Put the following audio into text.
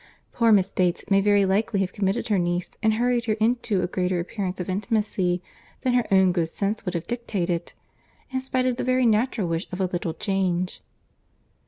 Poor Miss Bates may very likely have committed her niece and hurried her into a greater appearance of intimacy than her own good sense would have dictated, in spite of the very natural wish of a little change."